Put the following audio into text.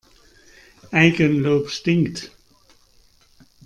Eigenlob stinkt.